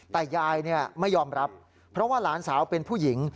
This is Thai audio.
แต่ยายไม่ยอมรับเพราะว่าหลานสาวเป็นผู้หญิง